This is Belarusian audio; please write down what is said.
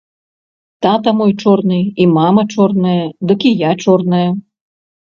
Тата мой чорны і мама чорная, дык і я чорная!